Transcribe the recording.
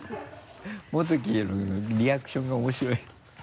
モトキのリアクションが面白い。